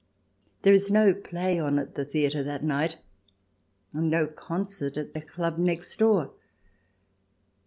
There is no play on at the theatre that night, and no concert at the Club next door.